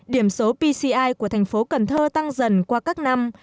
điểm số pci của thành phố cần thơ tăng dần qua các năm